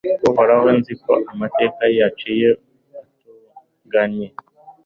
Uhoraho nzi ko amateka waciye atunganye